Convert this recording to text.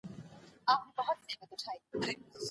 ایا کباب د غریب او شتمن ترمنځ توپیر ښکاره کوي؟